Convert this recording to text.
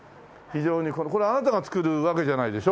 これあなたが作るわけじゃないでしょ？